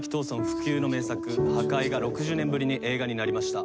不朽の名作『破戒』が６０年ぶりに映画になりました。